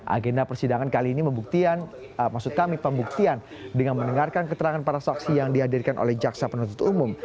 agenda persidangan kali ini pembuktian dengan mendengarkan keterangan para saksi yang dihadirkan oleh jaksa penuntut umum